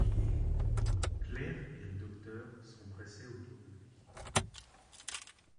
Claire et le docteur s'empressaient autour de lui.